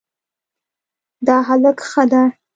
دا هلک ښه ده